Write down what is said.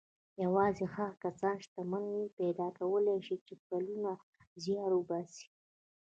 يوازې هغه کسان شتمني پيدا کولای شي چې کلونه زيار باسي.